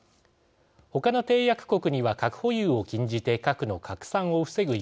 他の締約国には核保有を禁じて核の拡散を防ぐ